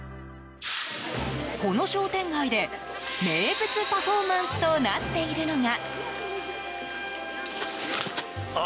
この商店街で名物パフォーマンスとなっているのが。